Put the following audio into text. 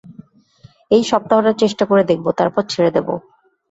এই সপ্তাহটা চেষ্টা করে দেখব, তারপর ছেড়ে দেব।